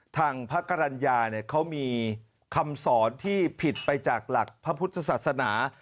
ทางพระกรรณญาเขามีคำสอนที่ผิดไปจากหลักพระพุทธศาสนา